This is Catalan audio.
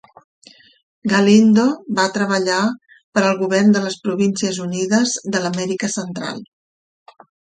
Galindo va treballar per al Govern de les Províncies Unides de l'Amèrica Central.